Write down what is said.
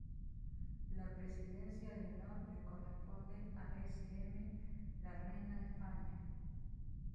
La Presidencia de Honor le corresponde a S. M. la Reina de España.